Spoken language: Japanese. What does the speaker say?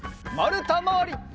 まるたまわり。